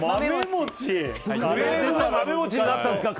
クレームが豆もちになったんですか！